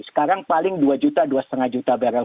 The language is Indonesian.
sekarang paling dua juta dua lima juta barrel